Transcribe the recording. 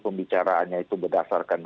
pembicaraannya itu berdasarkan